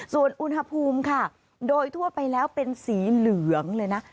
ส่วนอุณหภูมิค่ะโดยทั่วไปแล้วเป็นสีเหลืองเลยนะ